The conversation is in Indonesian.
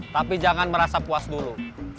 tapi jangan merasa puas dulu